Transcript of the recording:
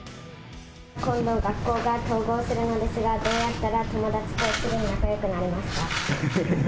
今度、学校が統合されるのですが、どうやったら友だちとすぐに仲よくなれますか。